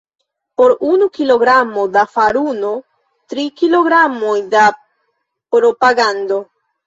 Por unu kilogramo da faruno, tri kilogramoj da propagando.